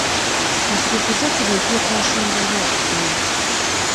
Nzijukiza ku bintu bye twasembayo okusoma.